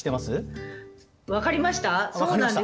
分かりました？